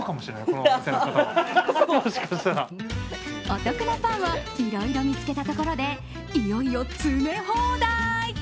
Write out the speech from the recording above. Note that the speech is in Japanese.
お得なパンをいろいろ見つけたところでいよいよ詰め放題。